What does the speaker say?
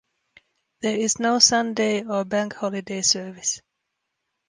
There is no Sunday or bank holiday service.